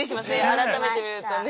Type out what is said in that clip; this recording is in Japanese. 改めて見るとね。